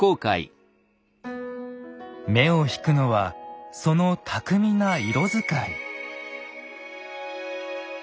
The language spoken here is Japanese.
目をひくのはその巧みな色使い。